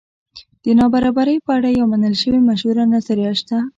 د نابرابرۍ په اړه یوه منل شوې مشهوره نظریه شته.